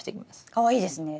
かわいいですね。